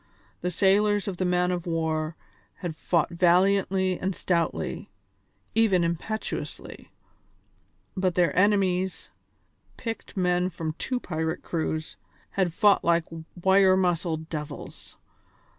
The sailors of the man of war had fought valiantly and stoutly, even impetuously, but their enemies picked men from two pirate crews had fought like wire muscled devils.